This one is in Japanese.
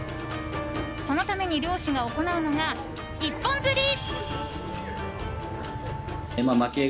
そのために漁師が行うのが一本釣り。